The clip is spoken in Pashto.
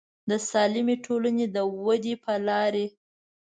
د سالمې ټولنې د ودې لارې